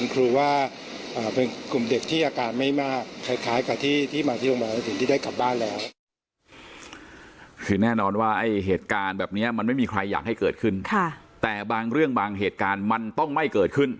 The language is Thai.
คือแน่นอนว่าไอ้เหตุการณ์แบบนี้มันไม่มีใครอยากให้เกิดขึ้นแต่บางเรื่องบางเหตุการณ์มันต้องไม่เกิดขึ้น